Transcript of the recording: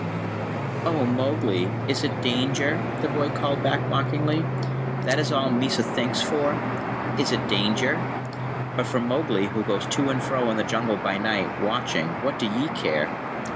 "Oh, Mowgli, is it danger?" the boy called back mockingly. "That is all Mysa thinks for: Is it danger? But for Mowgli, who goes to and fro in the Jungle by night, watching, what do ye care?"